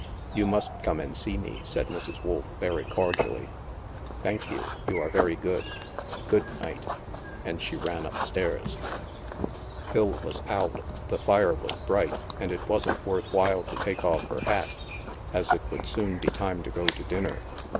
" You must come and see me," said Mrs. Wolf very cordially. " Thank you. You are very good. Good night'* And she ran up stairs. Phil was out, the fire was bright, and it wasn't worth while to take off her hat, as it would soon be time to go to dinner.